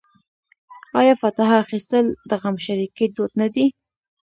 آیا فاتحه اخیستل د غمشریکۍ دود نه دی؟